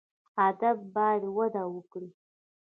ادب باید وده وکړي